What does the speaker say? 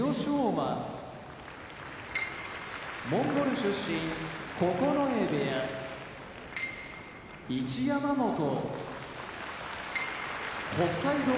馬モンゴル出身九重部屋一山本北海道